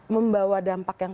membawa dampak yang